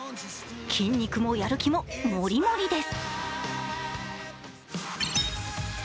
筋肉もやる気もモリモリです。